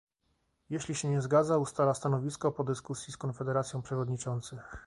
Jeśli się nie zgadza, ustala stanowisko po dyskusji z Konferencją Przewodniczących